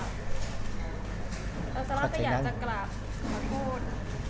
แล้วซาร่าก็อยากจะกราบขอโทษ